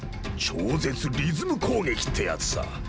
超絶リズム攻撃ってやつさ。